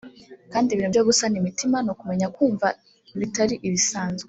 kandi ibintu byo gusana imitima ni ukumenya kumva bitari ibisanzwe